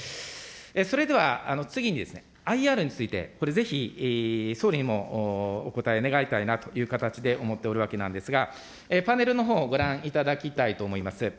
それでは、次にＩＲについて、これぜひ、総理にもお答え願いたいなと思っておるわけなんですが、パネルのほうご覧いただきたいと思います。